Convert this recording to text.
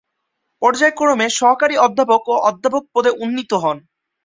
পর্যায়ক্রমে সহকারী অধ্যাপক ও অধ্যাপক পদে উন্নীত হন।